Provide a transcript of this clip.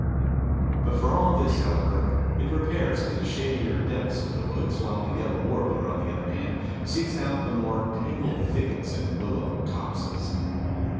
But for all this, however, it repairs to the shadier depths of the woods while the yellow warbler on the other hand seeks out the more tangled thickets and willow copses.